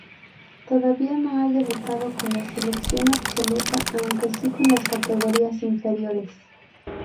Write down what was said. Todavía no ha debutado con la selección absoluta, aunque sí con las categorías inferiores.